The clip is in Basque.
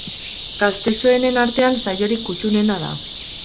Gaztetxoenen artean saiorik kuttunena da.